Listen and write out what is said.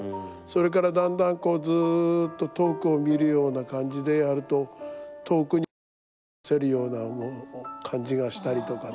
それからだんだんずっと遠くを見るような感じでやると遠くに思いをはせるような感じがしたりとか。